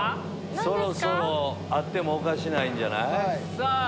そろそろあってもおかしないんじゃない？